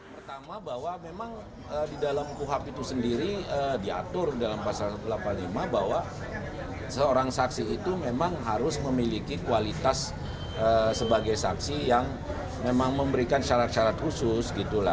pertama bahwa memang di dalam kuhap itu sendiri diatur dalam pasal satu ratus delapan puluh lima bahwa seorang saksi itu memang harus memiliki kualitas sebagai saksi yang memang memberikan syarat syarat khusus